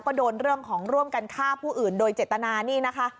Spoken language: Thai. ก็โดนเรื่องของร่วมกันฆ่าผู้อื่นโดยเจตนานี่นะคะ